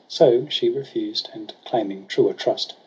So she refused, and claiming truer trust.